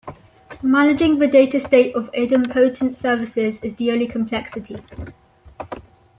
Managing the data state of idempotent services is the only complexity.